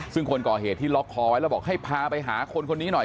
ซึ่งคนก่อเหตุที่ล็อกคอไว้แล้วบอกให้พาไปหาคนคนนี้หน่อย